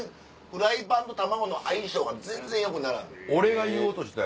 フライパンと卵の相性が全然よくならん。